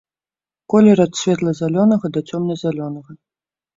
Колер ад светла-зялёнага да цёмна-зялёнага.